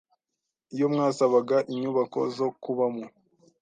iyo mwasabaga inyubako zo kubamo